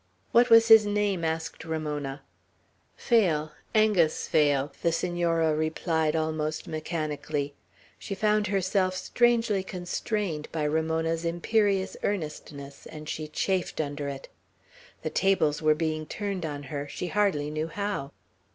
"What was his name?" asked Ramona. "Phail; Angus Phail," the Senora replied almost mechanically. She found herself strangely constrained by Ramona's imperious earnestness, and she chafed under it. The tables were being turned on her, she hardly knew how.